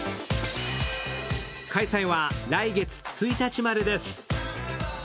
開催は来月１日までです。